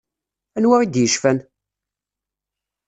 Anwa i d-yecfan?